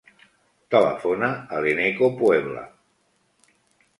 Telefona a l'Eneko Puebla.